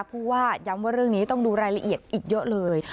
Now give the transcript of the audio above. ผู้ว่าย้ำว่าเรื่องนี้ต้องดูรายละเอียดอีกเยอะเลย